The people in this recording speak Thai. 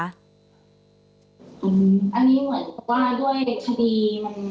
อันนี้เหมือนกับว่าด้วยคดี